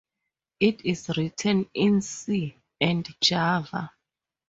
It is written in C and Java.